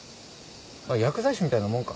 あっ薬剤師みたいなもんか？